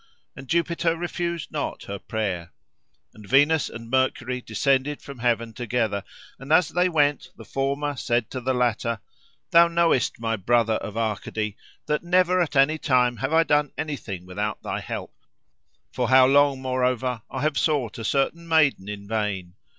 And Jupiter refused not her prayer. And Venus and Mercury descended from heaven together; and as they went, the former said to the latter, "Thou knowest, my brother of Arcady, that never at any time have I done anything without thy help; for how long time, moreover, I have sought a certain maiden in vain.